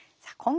さあ